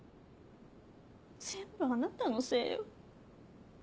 全部あなたのせいよ。